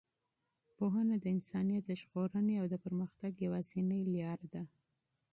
پوهنه د انسانیت د ژغورنې او د پرمختګ یوازینۍ لاره ده.